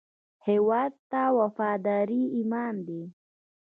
هیواد ته وفاداري ایمان دی